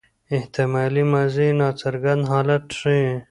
احتمالي ماضي ناڅرګند حالت ښيي.